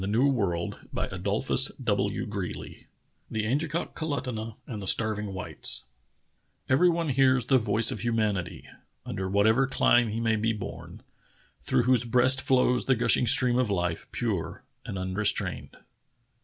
THE ANGEKOK KALUTUNAH AND THE STARVING WHITES THE ANGEKOK KALUTUNAH AND THE STARVING WHITES " Every one hears the voice of humanity, under whatever clime he may be born, through whose breast flows the gush ing stream of life, pure and unrestrained."